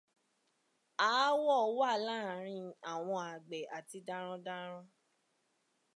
Àawọ̀ wà láàrin àwọn àgbẹ̀ àti darandaran.